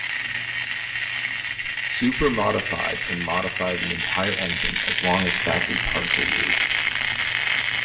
Super Modified can modify the entire engine as long as factory parts are used.